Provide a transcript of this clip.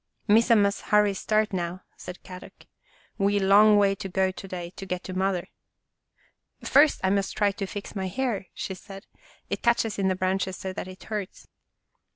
" Missa must hurry start now," said Kadok. " We long way to go to day to get to Mother." " First I must try to fix my hair," she said. " It catches in the branches so that it hurts."